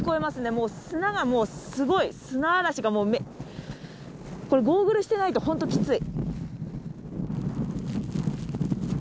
もう砂がすごい、砂嵐がこれ、ゴーグルしてないとほんと、きつい。